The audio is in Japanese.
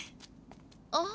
ああ。